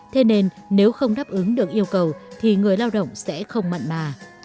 thế nên nếu không đáp ứng được yêu cầu thì người lao động sẽ không mặn mà